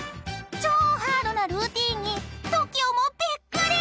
［超ハードなルーティンにＴＯＫＩＯもびっくり！］